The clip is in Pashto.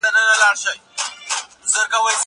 که وخت وي، سبا ته فکر کوم!؟